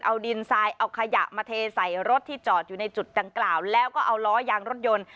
เอาดินทรายเอาขยะมาเทใส่รถที่จอดอยู่ในจุดดังกล่าวแล้วก็เอาล้อยางรถยนต์